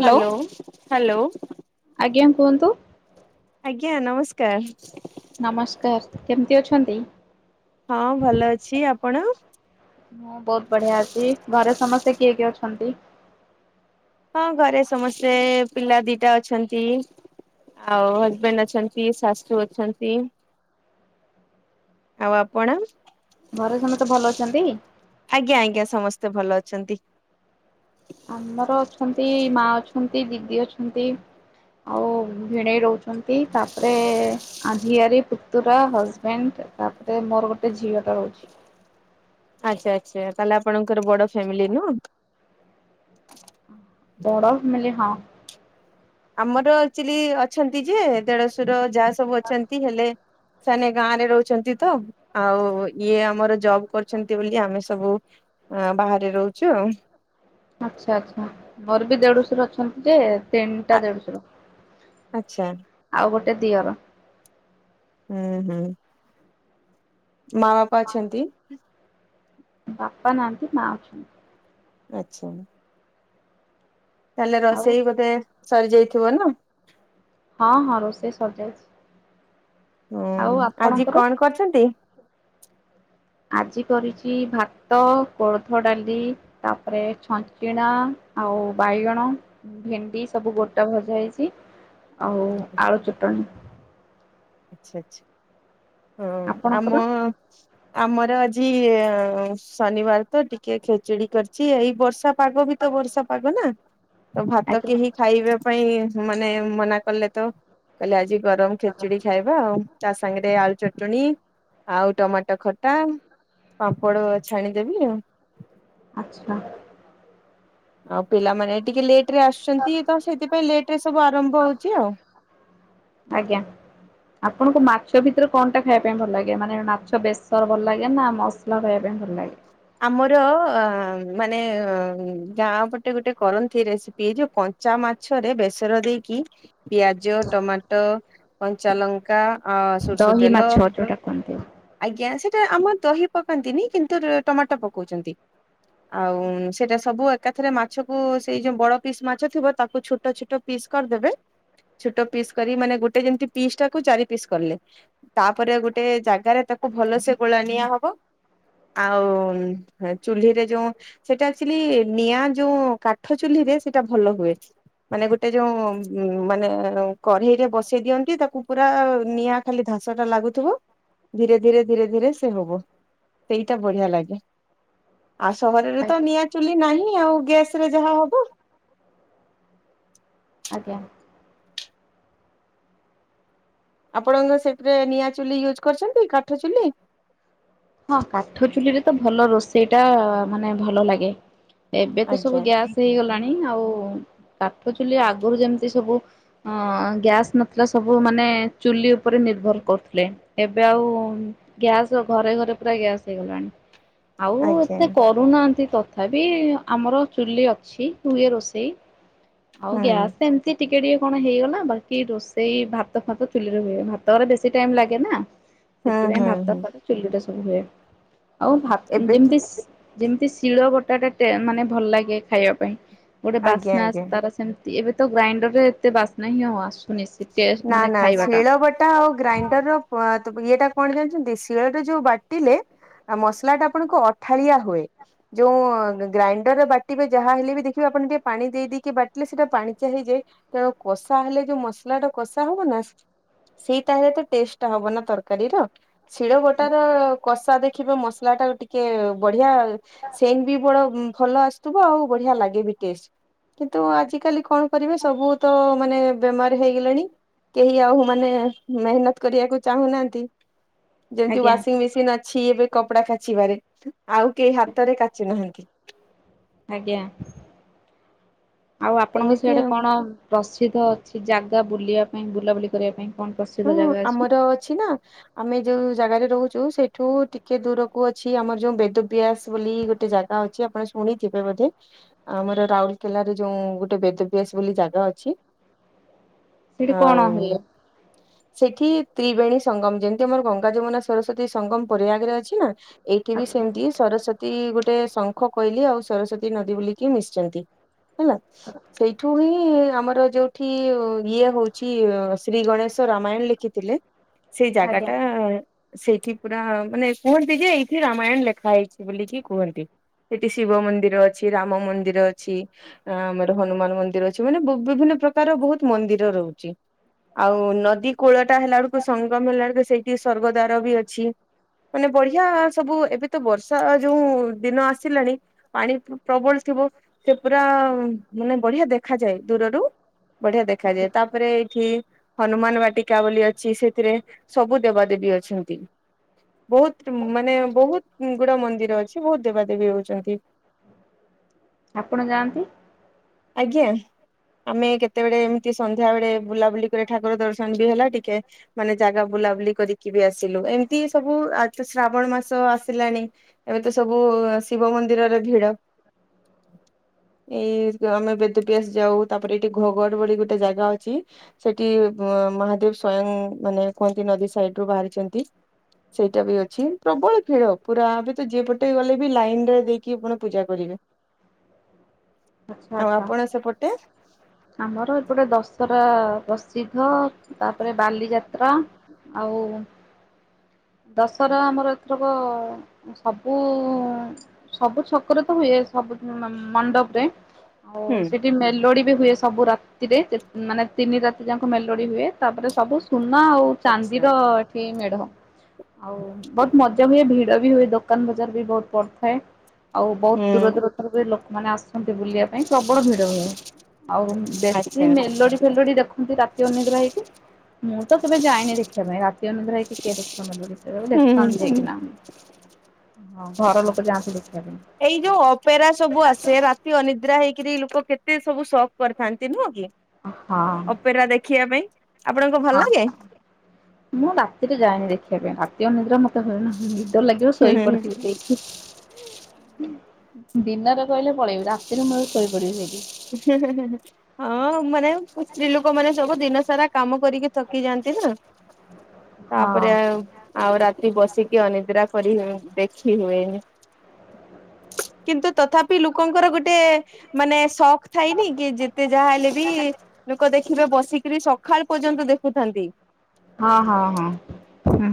Hello hello. ଆଜ୍ଞା କୁହନ୍ତୁ? ଆଜ୍ଞା ନମସ୍କାର। ନମସ୍କାର କେମିତି ଅଛନ୍ତି? ହଁ ଭଲ ଅଛି ଆପଣ? ମୁଁ ବହୁତ ବଢିଆ ଅଛି ଘରେ ସମସ୍ତେ କିଏ କିଏ ଅଛନ୍ତି। ହଁ ଘରେ ସମସ୍ତେ ପିଲା ଦିଟା ଅଛନ୍ତି। ଆଉ ହଜବେଣ୍ଡ ଅଛନ୍ତି ଶାଶୁ ଅଛନ୍ତି। ଆଉ ଆପଣ? ଘରେ ସମସ୍ତେ ଭଲ ଅଛନ୍ତି? ଆଜ୍ଞା ଆଜ୍ଞା ସମସ୍ତେ ଭଲ ଅଛନ୍ତି। ଆମର ଅଛନ୍ତି ମା ଅଛନ୍ତି ଦିଦି ଅଛନ୍ତି। ଆଉ ଭିଣେଇ ରହୁଛନ୍ତି ତାପରେ ଆଝିଆରୀ ପୁତୁରା ହଜବେଣ୍ଡ। ତାପରେ ମୋର ଗୋଟେ ଝିଅ ଟା ରହୁଚି। ଆଚ୍ଛା ଆଚ୍ଛା ତାହଲେ ଆପଣଙ୍କର ବଡ ଫ୍ୟାମିଲି ନୁହଁ? ବଡ ମେଲେ ହଁ। ଆମର ଆଚୁଆଲି ଅଛନ୍ତି ଯେ ଦେଢଶୁର ଯା ସବୁ ଅଛନ୍ତି ହେଲେ ସେମାନେେ ଗାଁ ରେ ରହୁଛନ୍ତି ତ, ଆଉ ଇଏ ଆମର ଜବ୍ କରୁଛନ୍ତି ବୋଲି ଆମେ ସବୁ ଅ ବାହାରେ ରହୁଛୁ ଆଉ। ଆଚ୍ଛା ଆଚ୍ଛା ମୋର ବି ଦେଡୁଶର ଅଛନ୍ତି ଯେ ତିନିଟା ଦେଢଶୁର ଆଚ୍ଛା ଆଉ ଗୋଟେ ଦିଅର। ହୁଁ ହୁଁ। ମା ବାପା ଅଛନ୍ତି? ବାପା ନାହାନ୍ତି ମା ଅଛନ୍ତି। ଆଛା। ତାହେଲେ ଆଉ ରୋଷେଇ ବୋଧେ ସରିଯାଇଥିବ ନା? ହଁ ହଁ ରୋଷେଇ ସରିଯାଇଛି। ଆଉ ହୁଁ ଆଜି ଆପଣଙ୍କର? କଣ କରିଛନ୍ତି? ଆଜି କରିଛି ଭାତ, କୋଳଥ ଡାଲି ତାପରେ ଛଞ୍ଚିଣା ଆଉ ଆଉ ବାଇଗଣ, ଭେଣ୍ଡି ସବୁ ଗୋଟା ଭଜା ହେଇଛି। ଆଉ ଆଳୁ ଚଟଣି। ଆଛା ଆଛା ହଁ ଆପଣଙ୍କର? ଆମ ଆମର ଆଜି ଶନିବାର ତ ଟିକେ ଖେଚୁଡି କରିଛି, ଏଇ ବର୍ଷା ପାଗ ବି ତ ବର୍ଷା ପାଗ ନା? ତ ଭାତ ଆଜ୍ଞା କେହି ଖାଇବା ପାଇଁ ମାନେ ମନା କଲେ ତ କହିଲେ ଆଜି ଗରମ ଖିଚିଡି। ତା ସାଙ୍ଗରେ ଆଳୁ ଚଟଣି ଆଉ ଟମାଟୋ ଖଟା। ପାମ୍ପଡ ଛାଣିଦେବି ଆଉ। ଆଚ୍ଛା। ଆଉ ପିଲାମାନେ ଟିକେ ଲେଟ ରେ ଆସୁଛନ୍ତି ତ ସେଥିପାଇଁ ଲେଟ ରେ ସବୁ ଆରମ୍ଭ ହଉଛି ଆଉ। ଆଜ୍ଞା। ଆପଣଙ୍କୁ ମାଛ ଭିତରେ କଣଟା ଖାଇବା ପାଇଁ ଭଲ ଲାଗେ ମାନେ ମାଛ ବେସର ଭଲ ଲାଗେ ନା ମସଲା ଖାଇବା ପାଇଁ ଭଲ ଲାଗେ? ଆମର ଅ ମାନେ ଅ ଗାଁ ପଟେ ଗୋଟେ କରନ୍ତି ରେସିପି ଯୋଉ ପ କଞ୍ଚା ମାଛରେ ବେସର ଦେଇକି ପିଆଜ, ଟମାଟୋ, କଞ୍ଚାଲଙ୍କା ଅଁ ସୋରିଷ ଦହି ତେଲ ମାଛ ଯୋଉଟା କୁହନ୍ତି। ଆଜ୍ଞା ସେ ଆମର ଦହି ପକାନ୍ତିନି କିନ୍ତୁ ଟମାଟୋ ପକଉଛନ୍ତି, ଆଉ ସେଟା ସବୁ ଏକାଥରେ ମାଛକୁ ସେଇ ଯୋଉ ବଡ ପିସ୍ ମାଛ ଥିବ ତାକୁ ଛୋଟ ଛୋଟ ପିସ୍ କରିଦେବେ। ଛୋଟ ପିସ୍ କରି ମାନେ ଗୋଟେ ଯେମତି ପିସ୍ ଟାକୁ ଚାରି ପିସ୍ କଲେ, ତାପରେ ଗୋଟେ ଜାଗାରେ ତା ତାକୁ ଭଲସେ ଗୋଳା ନିଆ ହବ, ଆ ଆଉ ଚୁଲିରେ ଯୋଉ ସେଟା ଆକଚୁଆଲି ନିଆଁ ଯୋଉ କାଠ ଚୁଲି ରେ ସେଇଟା ଭଲ ହୁଏ। ମାନେ ଗୋଟେ ଯୋଉ ମାନେ କଢ଼େଇ ରେ ବସେଇ ଦିଅନ୍ତି ତାକୁ ପୁରା ନିଆଁ ଖାଲି ଧ ଧାଁସ ଟା ଲାଗୁଥିବ, ଧୀରେ ଧୀରେ ଧୀରେ ଧୀରେ ସେ ହବ, ସେଇଟା ବଢିଆ ଲାଗେ। ଆଉ ସହରରେ ତ ନିଆଁ ଚୁଲି ନାହିଁ ଆଉ ଗ୍ୟାସରେ ଯାହା ହବ। [inaudible] ଆଜ୍ଞା। ଆପଣଙ୍କ ସେଥିରେ ନିଆଁ ଚୁଲି ୟୁଜ୍ କରିଛନ୍ତି କାଠ ଚୁଲି? ହଁ କାଠ ଚୁଲି ରେ ତ ଭଲ ରୋଷେଇ ଟା ମାନେ ଭଲ ଲାଗେ। ଏବେ ତ ସବୁ ଆଜ୍ଞା ଗ୍ୟାସ୍ ହେଇଗଲାଣି ଆଉ କାଠ ଚୁଲି ଆଗରୁ ଯେମିତି ସବୁ ଅ ଗ୍ୟାସ ନଥିଲା ସବୁ ମାନେ ଚୁଲି ଉପରେ ନିର୍ଭର କରୁଥିଲେ, ଏବେ ଆଉ ଗ୍ୟାସ ଘରେ ଘରେ ଗ୍ୟାସ ହେଇଗଲାଣି ଆଉ ଆଜ୍ଞା ଏତେ କରୁନାହାନ୍ତି ତ ତଥାପି ଆମର ଚୁଲି ଅଛି, ହୁଏ ରୋଷେଇ ଆଉ ହୁଁ ଗ୍ୟାସ୍ ଏମିତି ଟିକେ ଟିକେ କଣ ହେଇଗଲା ବାକି ରୋଷେଇ ଭାତ ଫାତ ଚୁଲିରେ ହୁଏ, ଭାତ ଗୁରା ବେଶୀ ଟାଇମ ଲାଗେ ନା। ହୁଁ ସେଥିପାଇଁ ହୁଁ ଭାତ ହୁଁ ଫାତ ଚୁଲି ରେ ସବୁ ହୁଏ, ଆଉ ଭାତ ଏବେ ତ ଯେମିତି ଯେମିତି ଶିଳ ବଟା ଟା ଟେ ମାନେ ଭଲ ଲାଗେ ଖାଇବା ପାଇଁ, ଗୋଟେ ଆଜ୍ଞା ବାସ୍ନା ଆଜ୍ଞା। ତାର ସେମିତି ଏବେ ତ ଗ୍ରାଇଣ୍ଡରରେ ଏତେ ବାସ୍ନା ହିଁ ଆଉ ଆସୁନି। ସେ ଟେଷ୍ଟ ନା, ମାନେ ନା, ଖାଇବାଟା ଶିଳ ବଟା ଆଉ ଗ୍ରାଇଣ୍ଡର ର ପ ଇଏଟା। କଣ ଜାଣିଛନ୍ତି ଶିଳରେ ଯୋଉ ବାଟିଲେ ମସଲା ଟା ଆପଣଙ୍କ ଅଠାଳିଆ ହୁଏ। ଯୋଉ ଗ୍ରାଇଣ୍ଡରରେ ବାଟିବେ, ଯାହା ହେଲେ ବି ଦେଖିବେ -ଆପଣ ଟିକେ ପାଣି ଦେଇଦେଇକି ବାଟିଲେ ସେଇଟା ପାଣିଚିଆ ହେଇଯା ତେଣୁ କଷା ହେଲେ ଯୋଉ ମସ ଲା କଷା ହବ ନା, ସେଇଟା ହେଲେ ତ ଟେଷ୍ଟ ହବ ନା ତରକାରୀର। ଶିଳ ବଟା ର କଷା ଦେଖିବେ ମସଲା ଟା ଟିକେ ବଢିଆ ସେନ୍ ବି ବଡ ଭଲ ଆସ ଥୁବୁ ଆଉ ବଢିଆ ଲାଗେ ବି ଟେଷ୍ଟ୍ କିନ୍ତୁ ଆଜିକାଲି କଣ କରିବେ ସବୁତ ମାନେ ବେମାରି ଲେଣି କେହି ଆଉ ମାନେ ମେହେନତ୍ କରିବାକୁ ଚାହୁଁନାହାନ୍ତି । ଯେମିତି ଆଜ୍ଞା ୱାସିଂ ମେସିନ୍ ଅଛି ଏବେ କପଡା କାଚିବାରେ ଆଉ କେହି ହାତରେ କାଚୁ ନାହାନ୍ତି । ଆଜ୍ଞା, ଆଉ ଆପଣଙ୍କ ଏମିତି ସେଆଡେ ଆଉ। କଣ? ପ୍ରସିଦ୍ଧ ଅଛି ଜାଗା ବୁଲିବା ପାଇଁ ବୁଲାବୁଲି କରିବା ପାଇଁ କଣ ପ୍ରସିଦ୍ଧ ହଁ, ଜାଗା ଆମର ଅଛି ନା- ଆମେ ଯୋଉ ଜାଗାରେ ରହୁ ସେଇଠୁ ଟିକେ ଦୂରକୁ ଅଛି, ଆମର ଯୋଉ ବେଦବ୍ୟାସ୍ ବୋଲି ଗୋଟେ ଜାଗା ଅଛି, ଆପଣ ଶୁଣିଥିବେ ଆମର ରାଉରକେଲାରେ ଯୋଉ ଗୋଟେ ବେଦବ୍ୟାସ୍ ବୋଲି ଜାଗା ଅଛି ସେଠି କଣ ଆଉ ହେଲା? ସେଠି ତ୍ରିବେଣୀ ସଙ୍ଗମ ଯେମିତି -ଆମର ଗଙ୍ଗା, ଯମୁନା, ସରସ୍ଵତୀ, ସଙ୍ଗମ ପରିବା ଆଗରେ ଅଛି ନା ଏଇଠି ବି ଆଚ୍ଛା ସେମିତି ସରସ୍ଵତୀ ଗୋଟେ ଗୋଟେ ଶଙ୍ଖ କହିଲ ଆଉ ସରସ୍ଵତୀ ନଦୀ ବୁଲିକି ମିଶିଛନ୍ତି ହେଲା। ସେଇଠୁ ବି ଆମର ଯୋଉଠି ଇଏ ହଉଛି -ଶ୍ରୀ ଗଣେଶ ରାମାୟଣ ଲେଖିଥିଲେ ସେଇ ଜାଗା ଆଜ୍ଞା ଟା ସେଇଠି ପୁରା ମାନେ କୁହନ୍ତି ଯେ- ଏଇଠି ରାମାୟଣ ଲେଖା ହେଇଛି । ବୋଲିକି କୁହନ୍ତି। ସେଠି ଶିବ ମନ୍ଦିର ଅଛି । ରାମ ମନ୍ଦିର ଅଛି । ଆଁ ଆମର ହନୁମାନ ମନ୍ଦିର ଅଛି, ମାନେ ବୁ ବିଭିନ୍ୟ ପ୍ର ତାର ବହୁତ ମନ୍ଦିର ରହୁଚି । ଆଉ ନଦି କୂଳ ଟା ତାମ୍ ହେଲା ବେଳକୁ ସଂଗମ୍ ହେଲା ବେଳକୁ ସେଇଠି ସ୍ୱର୍ଗଦ୍ୱାର ବି ଅଛି। ମାନେ ବଢିଆ ସବୁ, ଏବେ ତ ବର୍ଷା ଯୋଉ ଦିନ ଆସିଲାଣି, ପାଣି ପ୍ରବଳ ଥି ଥିବ, ସେ ପୁରା ମାନେ ବଢିଆ ଦେଖାଯାଏ । ଦୁରରୁ ବଢିଆ ଦେଖାଯାଏ । ତାପରେ ଏଠି ହନୁମାନ ବାଟିକା ବୋଲି ଅଛି, ସେଥିରେ ସବୁ ଦେବାଦେବୀ ଅଛନ୍ତି । ବହୁତ୍ ମାନେ ବହୁତ୍ ଗୁଡେ ମନ୍ଦିର ଅଛି। ବହୁତ୍ ଦେବା ଦେବୀ ରହୁଚନ୍ତି । [inaudible] ଆପଣ ଯାଆନ୍ତି ? ଆଜ୍ଞା, ଆମେ କେତେବେଳେ ଏମିତି ସନ୍ଧ୍ୟା ବେଳେ ବୁଲାବୁଲି କରି ଠାକୁର ଦର୍ଶନ ବି ହେଲା। ଟିକେ ମାନେ ଜାଗା ବୁଲା ବୁଲି କରିକି ବି ଆସିଲୁ । ଏମିତି ସବୁ ଆ ଶାବଣ ମାସ ଆସିଲାଣି । ଏବେତ ସବୁ ଶିବ ମନ୍ଦିର ରେ ଭିଡ। [inaudible] ଏଇ ଆମେ ବେଦୁ [unintelligible] ସେଇଟା ବି ଅ ଆଚ୍ଛା ଆଉ ଆଚ୍ଛା। ଆପଣ ସେପଟେ? ଆମର ଆଉ [inaudible] ଦଶହରା ଆମର ଏଥରକ ସବୁ, ସବୁ ଛକରେ ତ ହୁଏ । ସବୁ ମ -ମଣ୍ଡପ୍ ରେ ଆଉ ହୁଁ। ସେଠି ମେଲୋଡି ବି ହୁଏ । ରାତିରେ ମାନେ, ତିନି ରାତି ଯାକ ପୁରା ସୁନା ଆଉ ଆଚ୍ଛା। ଚାନ୍ଦିର ଏଠି ମେଢ ଆଉ ବହୁତ୍ ମଜା ହୁଏ । ଭିଡ ବି ହୁଏ । ଦୋକାନ୍ ବଜାର ବି ବହୁତ୍ ପଡ଼ିଥାଏ । ଆଉ ବହୁତ୍ ଦୁର ହୁଁ। ଦୁରତାରୁ ବି ଲୋକମାନେ ଆସନ୍ତି ବୁଲିବା ପାଇଁ ପ୍ରବଳ ଭିଡ ହୁଏ। ଆଉ ଆଚ୍ଛା ବେଶୀ ମେଲୋଡି ଫେଲୋଡି ଦେଖନ୍ତି ରାତି ଅନିଦ୍ରା ହେଇକି ମୁଁ ତ କେବେ ଯାଇନି ଦେଖିବା ପାଇଁ ରାତି ରାତି ଅନିଦ୍ରା ହେଇକି କିଏ ଦେଖିବ ମେଲୋଡି ସେ ଆକୁ ହୁଁ। ଦେଖନ୍ତି ଯାଇକି ନା । ହଁ ଘର ଲୋକ ଯାନ୍ତି ଦେଖି ଏଇ ଯୋଉ ଅପେରା ସବୁ ଆସେ ରାତି ଅନିଦ୍ରା ହେଇକିର କେତେ ସବୁ ସପ କରିଥାନ୍ତି ନୁହଁ କି? ହଁ ହଁ ଅପେରା ଦେଖିବା ପାଇଁ, ଆପଣଙ୍କୁ ଭଲ ଲାଗେ? ହଁ। ମୁଁ ରାତିରେ ଯାଏନି ଦେଖିବା ପାଇଁ ଅନିଦ୍ରା ମତେ ହୁଏନା ନିଦ ଲାଗିବ ହୁଁ ଶୋଇ ହୁଁ ହୁଁ। ପଡ଼ିଥିବି ସେଇଠି। ଦିନରେ କହିଲେ ପଳେଇବି ରାତିରେ ମୁଁ ଶୋଇ ପଡିବି ସେଇଠି। ହଁ ମାନେ ସ୍ତ୍ରୀ ଲୋକମାନେ ସବୁ ଦିନ ସାରା କାମ କରିକି ଥକିଯାଆନ୍ତି। [unintelligible] ତାପରେ ହଁ। ଆଉ ଆଉ ରାତି ବସି ସିଠି ଅନିଦ୍ରା କରି ଦେଖି ହୁଏନି କିନ୍ତୁ ତଥା ପି ଲୋକଙ୍କର ଗୋଟେ ମାନେ ସ ଥାଇନି କି ଯେତେ ଯାହା ହେଲେ ବି ଲୋକ ଦେଖିବେ ବସିକିରି ସ ସଖାଳ ପର୍ଯ୍ୟନ୍ତ ଦେଖୁଥାନ୍ତି। ହଁ ହଁ ହଁ ହୁଁ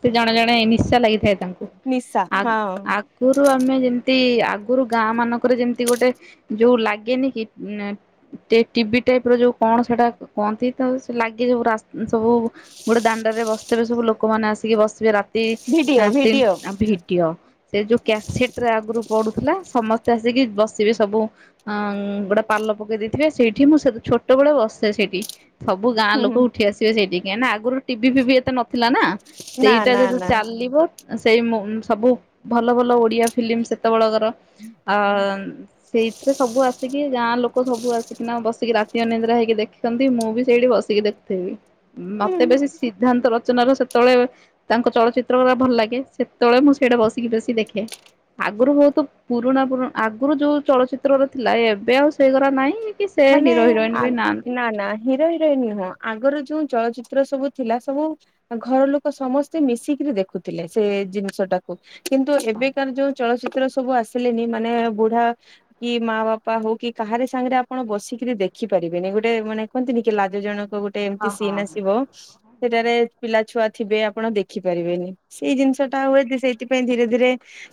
ସେ ଜଣେ ଜଣେ ନିଶା ଲାଗିଥାଏ । ତାଙ୍କୁ ନିଶା ଆ ହଁ ଆଗରୁ ଆମେ ଯେମିତି ଆ ଆଗରୁ ଗାଁ ମାନଙ୍କରେ ଯେମିତି ଗୋଟେ ଯୋଉ ଲାଗେନି କି ଟିଭି ଟାଇପର ଯୋଉ କଣ ସେଟା କୁହନ୍ତି ତ ସେ ଲାଗି ସବୁ ରାସ ସବୁ ଗୋଟେ ଦାଣ୍ଡରେ ବସିଥିବବେ ସବୁ ଲୋକମାନେ ଆସିକି ବସିବେ ରା ତି ଭିଡିଓ ତିନ ଭିଡିଓ ଭିଡିଓ ସେ ଯୋଉ କ୍ୟାସେଟରେ ଆଗରୁ ପଡୁଥିଲା ସମସ୍ତେ ଆସିକି ବସିବେ ସବୁ ଅ ଗୋଟେ ପାଲ ପକେଇ ଦେଇଥିବେ ସେଇଠି ମୁଁ ସେ ଛୋଟବେଳେ ବସେ ସେଠି । ସବୁ ଗାଁ ହୁଁ ଲୋକ ଉଠି ଆସିବେ ସେଇଠିକି ନା ଆଗରୁ ଟିଭି ଫିଭି ଏତେ ନଥିଲା ନା? ନା ସେଇଟା ନା ଯଦି ନା ଚାଲିବ ସେଇ ମୋ ସବୁ ଭଲ ଭଲ ଓଡିଆ ଫିଲ୍ମ ସେତେବେଳ କ ର ଆ ସେଇଥିରେ ସବୁ ଆସିକି ଗାଁ ଲୋକ ସବୁ ଆସିକିନା ବସିକି ରାତି ଅନିଦ୍ରା ହେଇକି ଦେଖିଛନ୍ତି ମୁଁ ବି ସେଇଠି ବସିକି ଦେଖୁଥିବି ମତେ ହୁଁ। ବେଶୀ ସିଦ୍ଧାନ୍ତର ଚନାର ସେତେବେଳେ ତାଙ୍କ ଚଳଚିତ୍ର ଗୁଡା ଭଲ ଲାଗେ ସେତେବେଳେ ମୁଁ ସେଇଟା ବସିକି ବେଶୀ ଦେଖେ। ଆଗରୁ ବହୁତ ପୁରୁଣା ପୁରୁଣା ଆଗରୁ ଯୋଉ ଚଳଚିତ୍ରର ଥିଲା ଏବେ ଆଉ ସେଇଗରା ନାଇଁ । ମାନେ ଆ ନା ନା ହିରୋ ହିରୋଇନ ନୁହଁ ଆଗରୁ ଯୋଉଁ ଚଳଚିତ୍ର ଚିତ୍ର ସବୁ ଥିଲା ସବୁ ଘରଲୋକ ସମସ୍ତେ ମିଶିକିରି ଦେଖୁଥିଲେ ସେ ଜିନିଷଟାକୁ । କିନ୍ତୁ ଏବେକାର ଯୋଉ ଚଳଚି ତ୍ର ସବୁ ଆସିଲେନି ମାନେ ବୁଢା କି ମାବାପା ହଉ କି କାହାରି ସାଙ୍ଗରେ ଆ ଆପଣ ବସିକିରି ଦେଖି ପାରିବେନି ଗୋଟେ ମାନେ କୁହନ୍ତିନି କି ଲାଜ ଜଣକ ଗୋଟେ ଏମିତି ସିନ୍ ଆସିବ ସେଟାରେ ପିଲା ଛୁଆ ଥିବେ ଆପଣ ଦେଖିପାରିବେନି ସେଇ ଜିନିଷଟା ହୁଏ ସେଇଥିପାଇଁ ଧୀରେ ଧୀରେ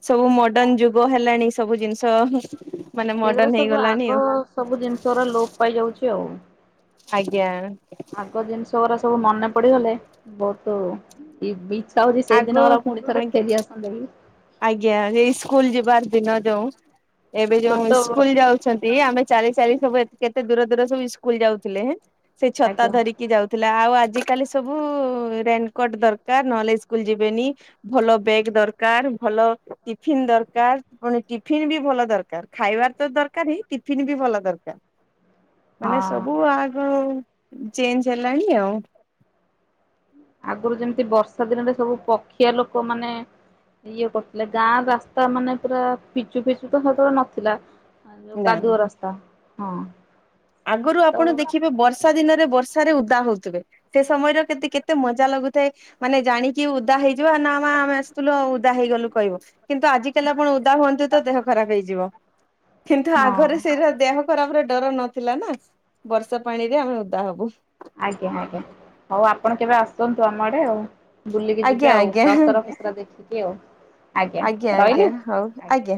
ସବୁ ମଡର୍ଣ୍ଣ ଯୁଗ ହେଲାଣି ସବୁ ଜିନିଷମାନେ ସେଗୁରା ମଡର୍ଣ୍ଣ ସବୁ ଆଗ ହେଇଗଲାଣି ଆଉ। ସବୁ ଜିନିଷରା ଲୋପ ପାଇଯାଉଛି ଆଉ। ଆଜ୍ଞା। ଆଗ ଜିନିଷଗୁଡ଼ା ସବୁ ମନେ ପଡିଗଲେ ବହୁତ ଇବି ସାଉଦି ସେଇ ଆଗ ଦିନ ଗୁଡା ପୁଣି ଆ ଥରେ ଫେରି ଆସନ୍ତା କି । ଆଜ୍ଞା ଏଇ ସ୍କୁଲ ଯିବାର ଦିନ ଯଉ ଏବେ ଯୋଉ ଛୋଟ ସ୍କୁଲ ଯାଉଛନ୍ତି ଆମେ ଚାଲି ଚାଲି ସବୁ କେତେ ଦୂର ଦୂର ସବୁ ଇସ୍କୁଲ ଯାଉଥିଲେ ହେଁ ସେ ଛତା ଆଜ୍ଞା ହଁ ଧରିକି ଯାଉଥିଲା। ଆଉ ଆଜିକାଲି ସବୁ ରେନକୋଟ ଦରକାର ନହେଲେ ଇସ୍କୁଲ ଯିବେନି ଭଲ ବେଗ ଦରକାର। ଭଲ ଟିଫିନ ଦରକାର ପୁଣି ଟିଫନ୍ ବି ଭଲ ଦରକାର ଖାଇବାର ତ ଦରକାର ହିଁ ଟିଫିନ ବି ଭଲ ଦରକାର। ମାନେ ସବୁ ଆଗ ଚେଞ୍ଜ ହେଲାଣି ଆଉ। ଆଗରୁ ଯେମିତି ବର୍ଷା ଦିନରେ ସବୁ ପକ୍ଷିଆ ଲୋକ ମାନେ ଇଏ କରୁଥିଲେ ଗାଁ ରାସ୍ତା ମାନେ ପୁରା ପିଚୁ ଫିଚୁ ତ ସେତେବେଳେ ନଥିଲା । ଉ ନା। କାଦୁଅ ରାସ୍ତା, ହଁ । ଆଗରୁ ଆପଣ ଦେଖିବେ ବର୍ଷା ଦିନ ରେ ବର୍ଷାରେ ଉଦା ହଉଥିବେ, ସେ ସମୟରେ କେ-କେତେ ମଜା ଲାଗୁଥାଏ ମାନେ ଜାଣିକି ଉଦା ହେଇଯିବା ନା ମା ଆମେ ଆସିଥିଲୁ ଆଉ ଉଦା ହେଇଗଲୁ କହିବ । କିନ୍ତୁ ଆଜିକାଲି ଆପଣ ଉଦା ହୁଅନ୍ତୁ ତ ଦେହ ଖରାପ ହେଇଯିବ। କିନ୍ତୁ ଆଗରେ ସେଇଟା ଦେହ ଖରାପର ଡର ନଥିଲା ନା ବର୍ଷା ପାଣି ରେ ଆମେ ଉଦା ହବୁ । ଆଜ୍ଞା ଆଜ୍ଞା, ହଉ ଆପଣ କେବେ ଆସନ୍ତୁ ଆମ ଆଡେ ଆଉ। ବୁଲିକି ଯିବେ ଆଜ୍ଞା ଆଉ ଆଜ୍ଞା ଦଶହରା ଫସରା ଦେଖିକି ଆଉ। ଆଜ୍ଞା ଆଜ୍ଞା ରହିଲି। ହଉ ଆଜ୍ଞା